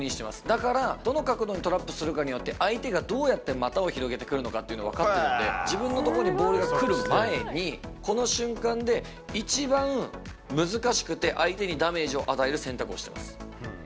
だから、どの角度にトラップするかによって、相手がどうやって股を広げてくるのかっていうのが分かってるんで、自分のとこにボールが来る前に、この瞬間で一番難しくて、相手にダメージを与える選択をしてます。